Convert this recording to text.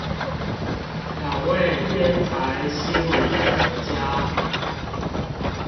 兩位天才心理學家